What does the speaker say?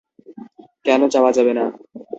কেন যাওয়া যাবে না?